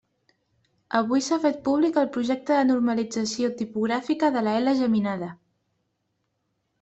Avui s'ha fet públic el projecte de normalització tipogràfica de la ela geminada.